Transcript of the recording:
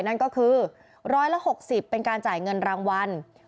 นั่นก็คือ๑๖๐เป็นการจ่ายเงินรางวัล